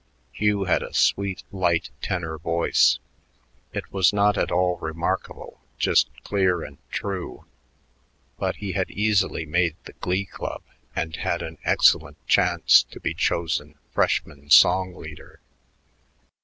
Hugh had a sweet, light tenor voice. It was not at all remarkable, just clear and true; but he had easily made the Glee Club and had an excellent chance to be chosen freshman song leader.